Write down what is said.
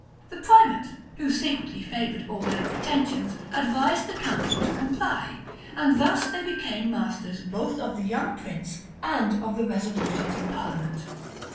[*] The primate, who secretly favored all their pretensions, advised the council to comply; and thus they became masters both of the young prince and of the resolutions of parliament.